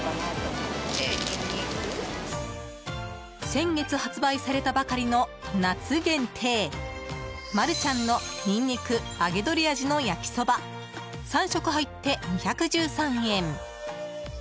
先月発売されたばかりの夏限定、マルちゃんのにんにく揚げ鶏味の焼きそば３食入って、２１３円。